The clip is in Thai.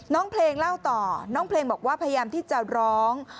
น้องเพลงเล่าต่อน้องเพลงบอกว่าพยายามที่จะร้อง